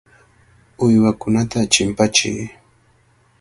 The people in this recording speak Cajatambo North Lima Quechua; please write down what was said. Uywakunata chimpachiy.